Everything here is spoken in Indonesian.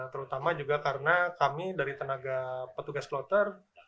terutama juga karena kami dari tenaga petugas kloter